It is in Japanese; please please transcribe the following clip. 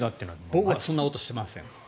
僕はそんなことしません。